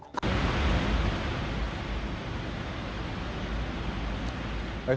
yang menyebabkan penyakit covid sembilan belas